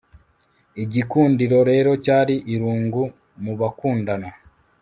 Igikundiro rero cyari irungu mubakundana